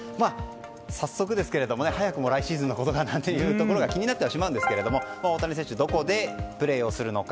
早速ですけれども早くも来シーズンのことが気になってしまうんですが大谷選手、どこでプレーするのか。